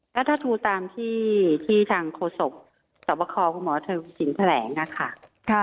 ก็ถ้าดูตามที่ทางโฆษกสวบคอคุณหมอเทิงสินแถลงนะคะ